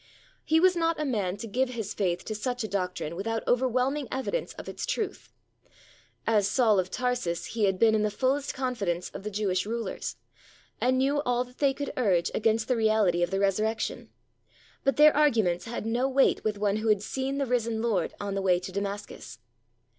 He was not a man to give his faith to such a doctrine without overwhelming evidence of its truth. As Saul of Tarsus he had been in the fullest confidence of the Jewish rulers, and knew all that they could urge against the reality of the Resurrection, but their arguments had no weight with one who had seen the risen Lord on the way to Damascus.